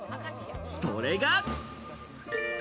それが。